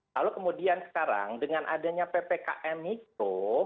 lalu kemudian sekarang dengan adanya ppkm mikro